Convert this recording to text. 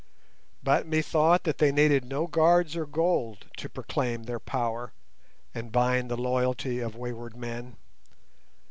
But methought that they needed no guards or gold to proclaim their power and bind the loyalty of wayward men.